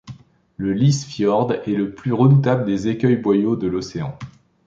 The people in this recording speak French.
Le Lyse-Fiord est le plus redoutable des écueils-boyaux de l’océan.